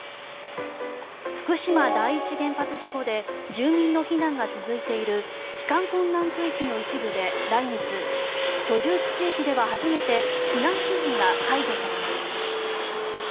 福島第一原発事故で住民の避難が続いている帰還困難区域の一部で来月、居住地域では初めて避難指示が解除されます。